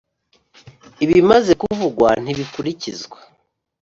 Ibimaze kuvugwa ntibikurikizwa